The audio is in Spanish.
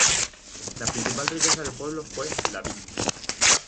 La principal riqueza del pueblo fue la vid.